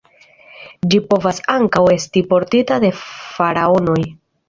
Ĝi povas ankaŭ esti portita de faraonoj.